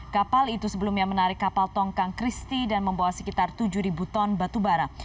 kapal itu sebelumnya menarik kapal tongkang christie dan membawa sekitar tujuh ton batubara